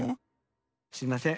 すいません。